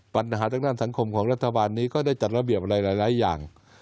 ปัญหาทางด้านสังคมของรัฐบาลนี้ก็ได้จัดระเบียบอะไรหลายอย่าง